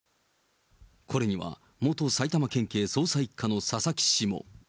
これには元埼玉県警捜査１課の佐々木氏も。